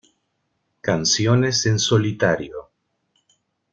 Canciones en solitario.